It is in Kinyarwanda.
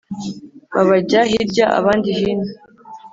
Babajya hirya, abandi hino